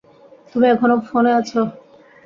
তুমি এখনও ফোনে আছ?